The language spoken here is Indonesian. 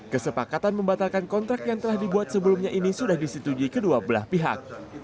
kesepakatan membatalkan kontrak yang telah dibuat sebelumnya ini sudah disetujui kedua belah pihak